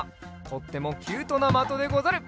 とってもキュートなまとでござる。